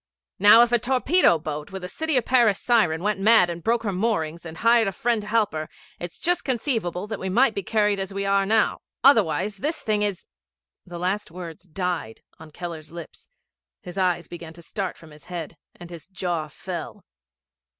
'Now if a torpedo boat with a City of Paris siren went mad and broke her moorings and hired a friend to help her, it's just conceivable that we might be carried as we are now. Otherwise this thing is ' The last words died on Keller's lips, his eyes began to start from his head, and his jaw fell.